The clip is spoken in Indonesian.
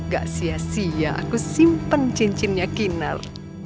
gak sia sia aku simpen cincinnya kinar